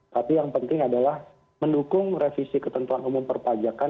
tapi yang penting adalah mendukung revisi ketentuan umum perpajakan